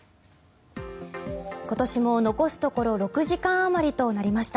今年も残すところ６時間あまりとなりました。